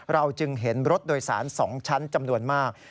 เราจึงเห็นรถโดยสาร๒ชั้นจำนวนมาก